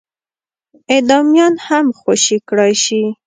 اعدامیان هم خوشي کړای شي.